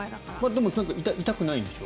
でも、痛くないんでしょ？